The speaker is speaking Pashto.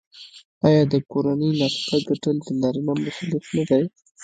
آیا د کورنۍ نفقه ګټل د نارینه مسوولیت نه دی؟